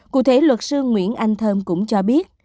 cụ thể luật sư nguyễn anh thơm cũng cho biết